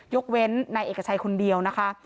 ยกเว้นนายเอกชัยคนเดียวนะคะ